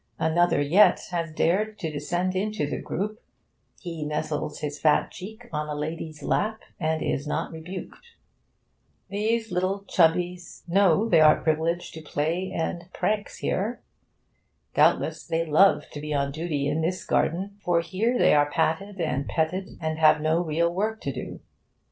Another yet has dared to descend into the group; he nestles his fat cheek on a lady's lap, and is not rebuked. These little chubby Cythareans know they are privileged to play any pranks here. Doubtless they love to be on duty in this garden, for here they are patted and petted, and have no real work to do.